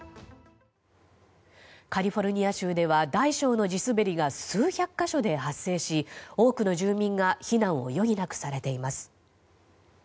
カリフォルニア州では大小の地滑りが数百か所で発生し多くの住民が避難を余儀なくされています。